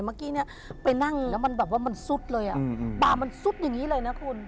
เมื่อกี้เนี่ยไปนั่งแล้วมันแบบว่ามันซุดเลยอ่ะตามันซุดอย่างนี้เลยนะคุณ